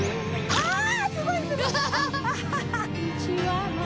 ああ！